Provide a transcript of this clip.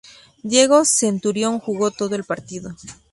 Diego Centurión jugó todo el partido.